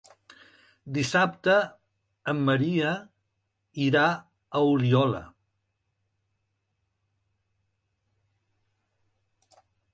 Dissabte en Maria irà a Oliola.